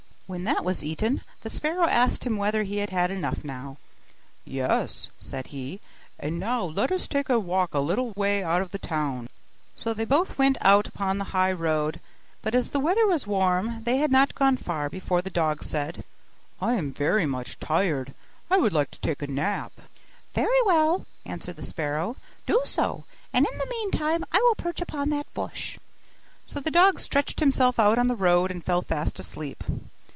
When that was eaten, the sparrow asked him whether he had had enough now. 'Yes,' said he; 'and now let us take a walk a little way out of the town.' So they both went out upon the high road; but as the weather was warm, they had not gone far before the dog said, 'I am very much tired I should like to take a nap.' 'Very well,' answered the sparrow, 'do so, and in the meantime I will perch upon that bush.' So the dog stretched himself out on the road, and fell fast asleep.